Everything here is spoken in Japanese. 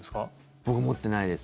僕、持ってないです。